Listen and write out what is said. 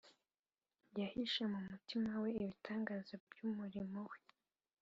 . Yahishe mu mutima We ibitangaza by’umurimo We